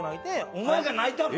お前が泣いたの？